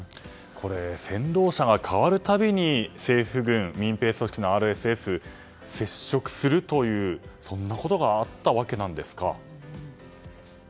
先導車が変わるたびに政府軍、民兵組織のＲＳＦと接触するという、そんなことがあったわけなんですか？